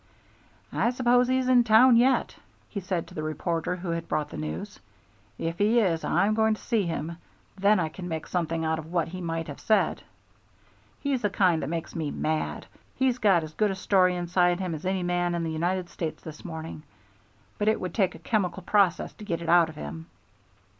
"I suppose he's in town yet," he said to the reporter who had brought the news. "If he is, I'm going to see him; then I can make something out of what he might have said. He's the kind that makes me mad. He's got as good a story inside him as any man in the United States this morning, but it would take a chemical process to get it out of him."